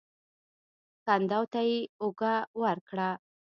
کندو ته يې اوږه ورکړه.